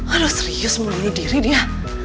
aduh serius menunggu diri dia